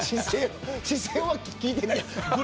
姿勢は聞いてない。